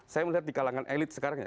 saya melihat di kalangan elit sekarang ya